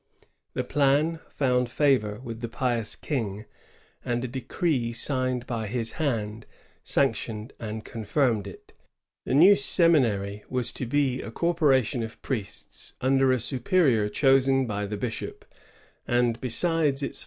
The plan found favor with the pious King, and a decree signed by his hand sanctioned and confirmed it. The new seminary was to be a corporation of priests under a superior chosen by the bishop; and, besides 1 Anne <fAutriche A Laval, 28 Avril, 1S62; Louts XIV.